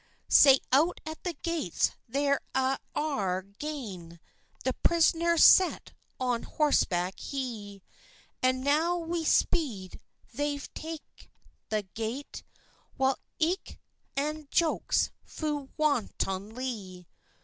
Sae out at the gates they a' are gane, The prisner's set on horseback hie; And now wi speed they've tane the gate; While ilk ane jokes fu wantonlie.